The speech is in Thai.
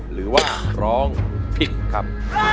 หรือว่าร้องผิดครับ